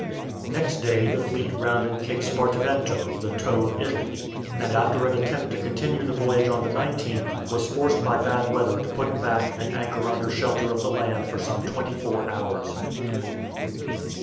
Next day the fleet rounded Cape Spartivento, the toe of Italy, and after an attempt to continue the voyage on the 19th was forced by bad weather to put back and anchor under shelter of the land for some twenty four hours.